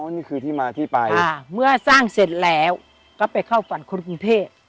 นี่คือที่มาที่ไปเมื่อสร้างเสร็จแล้วก็ไปเข้าฝันคนกรุงเทพ